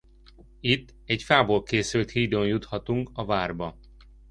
Itt egy fából készült hídon juthatunk a várba.